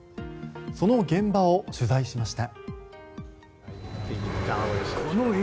その現場を取材しました。